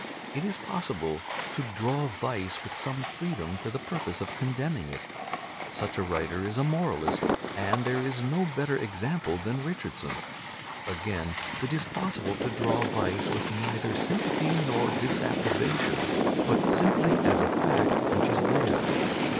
It is possible to draw vice with some freedom for the purpose of condemning it. Such a writer is a moralist, and there is no better example than Richardson. Again, it is possible to draw vice with neither sympathy nor disapprobation, but simply as a fact which is there.